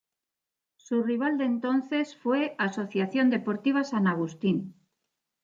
Su rival de entonces fue Asociación Deportiva San Agustín.